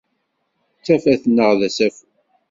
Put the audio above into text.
D tafat neɣ d asafu.